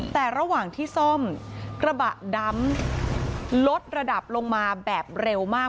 แต่ระหว่างที่ซ่อมกระบะดำลดระดับลงมาแบบเร็วมาก